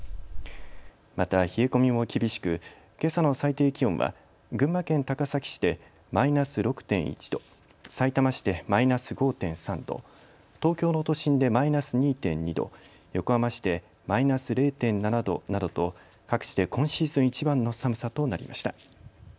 また冷え込みも厳しくけさの最低気温は群馬県高崎市でマイナス６．１度、さいたま市でマイナス５．３度、東京の都心でマイナス２．２度、横浜市でマイナス０．７度などと各地で今シーズンいちばんの寒さとなりました。